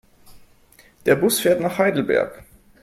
Der Bus fährt nach Heidelberg